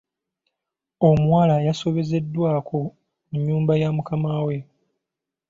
Omuwala yasobezeddwako mu nnyumba ya mukama we.